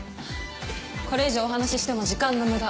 これ以上お話ししても時間の無駄。